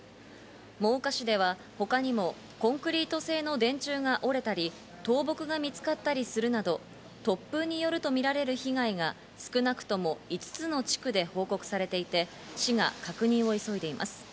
真岡市では他にもコンクリート製の電柱が折れたり、倒木が見つかったりするなど、突風によるとみられる被害が少なくとも５つの地区で報告されていて、市が確認を急いでいます。